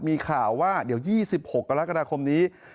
มีข่าวว่าเดี๋ยว๒๖กรกฎาคมนี้